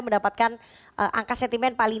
mendapatkan angka sentimen paling